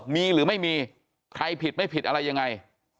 มีหรือไม่มีใครผิดไม่ผิดอะไรยังไง